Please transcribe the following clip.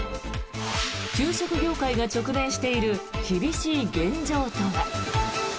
給食業界が直面している厳しい現状とは。